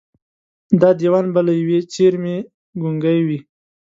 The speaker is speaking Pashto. دا دېوان به له ېوې څېرمې ګونګي وي